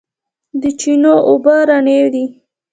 د چینو اوبه رڼې دي